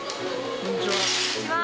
こんにちは。